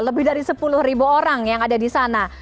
lebih dari sepuluh orang yang ada di sana